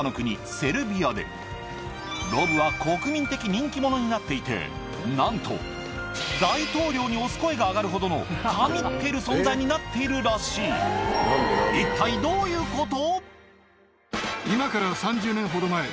セルビアでロブは国民的人気者になっていてなんと大統領に推す声が上がるほどの神ってる存在になっているらしい一体どういうこと？